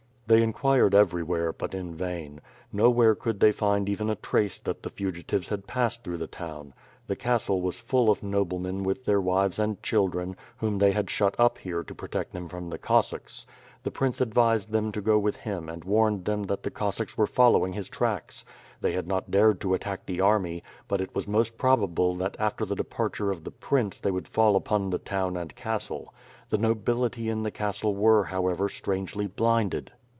They inquired everywhere, but in vain; nowhere could they find even a trace that the fugitives had passea through the town. The castle was full of noblemen with their wives and children, whom they had shut up here to protect them from the Cossacks. The prince advised them to go with him and warned them that the Cossacks were following his tracks. They had not dared to attack the army, but it was most prob able that after the departure of the prince they would fall upon the town and castle. The nobility in the castle were however strangely blinded.